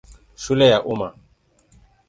Shule ya Umma.